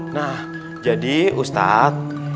nah jadi ustadz